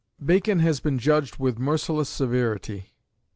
Bacon has been judged with merciless severity.